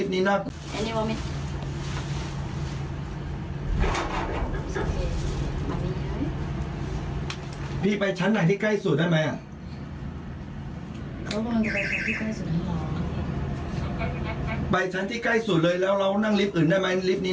นี่น่ากลัวเลยอะพี่